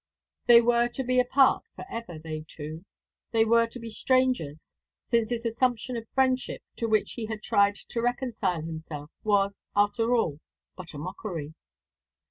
They were to be apart for ever, they two. They were to be strangers; since this assumption of friendship, to which he had tried to reconcile himself, was, after all, but a mockery.